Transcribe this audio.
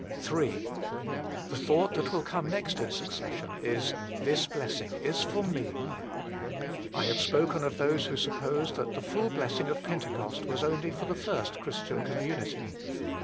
Ill The thought that will come next in succession is : This blessing is for me. I have spoken of those who suppose that the full blessing of Pentecost was only for the first Christian community.